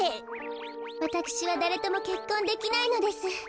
わたくしはだれともけっこんできないのです。